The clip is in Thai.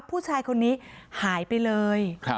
ผู้ชายคนนี้หายไปเลย